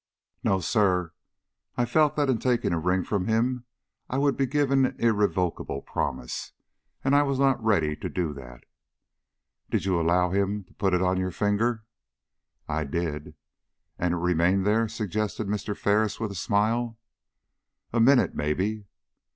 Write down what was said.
"No, sir. I felt that in taking a ring from him I would be giving an irrevocable promise, and I was not ready to do that." "Did you allow him to put it on your finger?" "I did." "And it remained there?" suggested Mr. Ferris, with a smile. "A minute, may be."